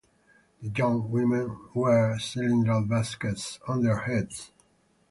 The young women wear cylindrical baskets on their heads.